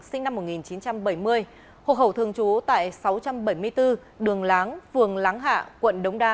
sinh năm một nghìn chín trăm bảy mươi hộ khẩu thường trú tại sáu trăm bảy mươi bốn đường láng phường láng hạ quận đống đa